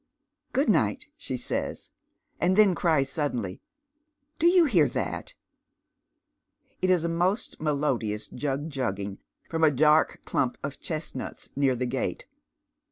" Good nigiit," she says, and then cries suddenly, " Do you hear that ?" It is a most melodious jug jugging fi om s dark clump of chestnuts near the gate.